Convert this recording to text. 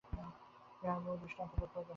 ইহার বহু দৃষ্টান্ত প্রত্যহ দেখা যায়।